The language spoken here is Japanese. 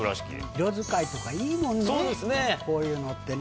色使いとかいいもんねこういうのってね。